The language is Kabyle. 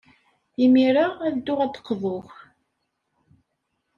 Imir-a, ad dduɣ ad d-qḍuɣ.